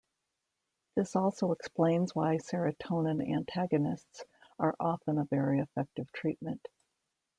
This also explains why serotonin antagonists are often a very effective treatment.